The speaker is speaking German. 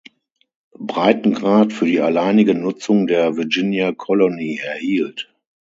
Breitengrad für die alleinige Nutzung der Virginia Colony erhielt.